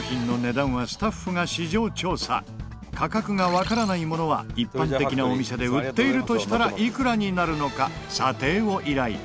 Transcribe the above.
出た価格がわからないものは一般的なお店で売っているとしたらいくらになるのか査定を依頼。